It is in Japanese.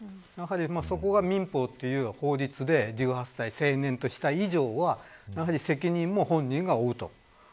やはりそこが民法という法律で１８歳、成年とした以上は責任も本人が負うと。